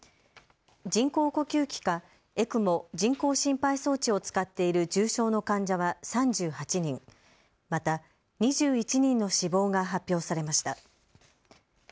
人工呼吸器かＥＣＭＯ・人工心肺装置を使っている重症の患者は３８人、また２１人の死亡が発表されました。